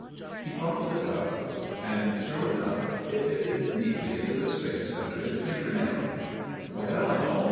He crumpled it up and sure enough it fitted neatly into the space under his finger nail. "Well?"